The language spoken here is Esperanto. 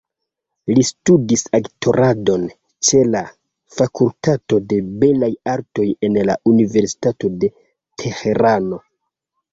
Li studis aktoradon ĉe la fakultato de belaj artoj en la Universitato de Teherano.